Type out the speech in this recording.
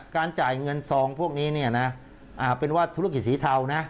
จ่ายเงินซองพวกนี้เนี่ยนะเป็นว่าธุรกิจสีเทานะ